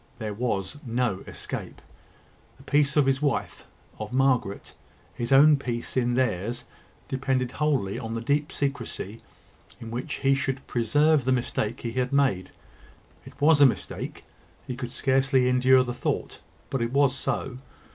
There was no escape. The peace of his wife, of Margaret his own peace in theirs depended wholly on the deep secrecy in which he should preserve the mistake he had made. It was a mistake. He could scarcely endure the thought; but it was so.